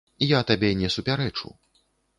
Я табе не супярэчу.